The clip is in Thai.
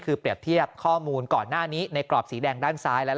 คือเปรียบเทียบข้อมูลก่อนหน้านี้ในกรอบสีแดงด้านซ้ายแล้ว